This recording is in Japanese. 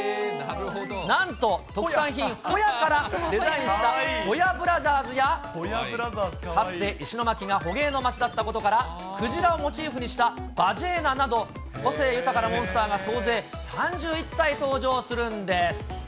なんと、特産品ホヤからデザインしたホヤブラザーズや、かつて石巻が捕鯨の町だったことから、クジラをモチーフにしたバジェーナなど、個性豊かなモンスターが総勢３１体、登場するんです。